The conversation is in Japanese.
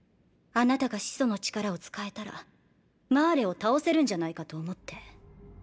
あなたが「始祖の力」を使えたらマーレを倒せるんじゃないかと思って。